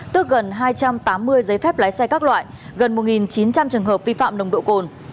tức gần hai trăm tám mươi giấy phép lái xe các loại gần một chín trăm linh trường hợp vi phạm nồng độ cồn